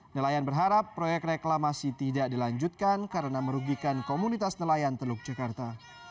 nelayan berharap proyek reklamasi tidak dilanjutkan karena merugikan komunitas nelayan teluk jakarta